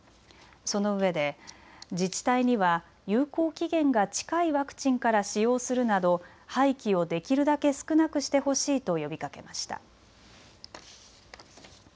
そのうえで自治体には有効期限が近いワクチンから使用するなど廃棄をできるだけ少なくしてほしいと呼びかけました。